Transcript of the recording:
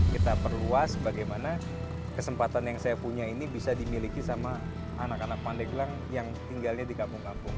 kita perluas bagaimana kesempatan yang saya punya ini bisa dimiliki sama anak anak pandeglang yang tinggalnya di kampung kampung